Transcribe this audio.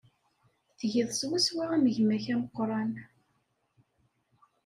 Tgiḍ swaswa am gma-k ameqran.